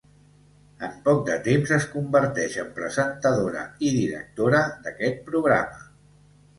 En poc de temps es converteix en presentadora i directora d'aquest programa.